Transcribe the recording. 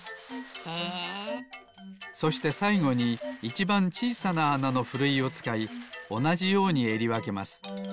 そしてさいごにいちばんちいさなあなのふるいをつかいおなじようにえりわけます。